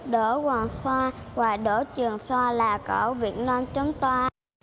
đỡ quần xoa và đỡ trường xoa là của huyện non chúng ta